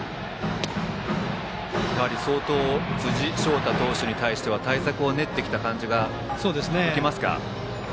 相当辻晶太投手に対しては対策を練ってきた感じがありますか。